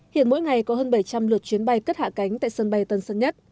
hiện mỗi ngày có hơn bảy trăm linh lượt chuyến bay cất hạ cánh tại sân bay tân sơn nhất